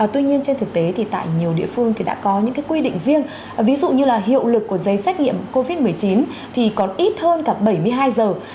tuy nhiên trên thực tế thì tại nhiều địa phương thì đã có những quy định riêng ví dụ như là hiệu lực của giấy xét nghiệm covid một mươi chín thì còn ít hơn cả bảy mươi hai giờ